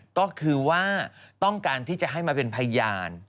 ก็คือว่าต้องการที่จะให้มาเป็นพยาน